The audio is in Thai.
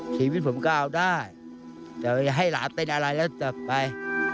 ชีวิตผมก็เอาได้แต่ให้หลานเต้นอะไรแล้วจะไป